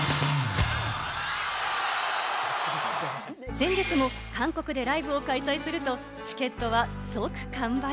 先月も韓国でライブを開催するとチケットは即完売。